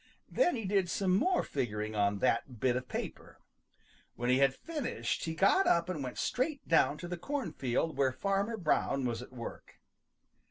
Then he did some more figuring on that bit of paper. When he had finished he got up and went straight down to the cornfield where Farmer Brown was at work.